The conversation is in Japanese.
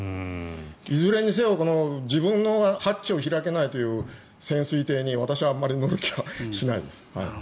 いずれにせよ、自分でハッチを開けないという潜水艇に私はあまり乗る気はしないです。